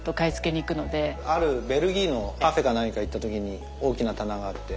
あるベルギーのカフェか何か行った時に大きな棚があって。